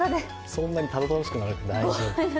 そんなにたどたどしくなくて大丈夫。